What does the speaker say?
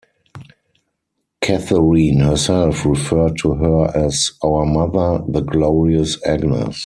Catherine herself referred to her as "Our mother, the glorious Agnes".